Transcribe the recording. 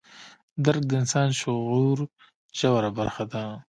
درک د انسان د شعور ژوره برخه ده.